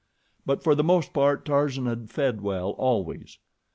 But for the most part Tarzan had fed well always.